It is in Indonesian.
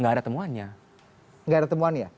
tidak ada temuannya tidak ada temuannya